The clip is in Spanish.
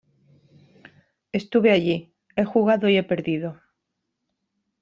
¡ estuve allí , he jugado y he perdido !